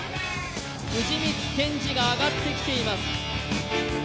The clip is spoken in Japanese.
藤光謙司が上がってきています。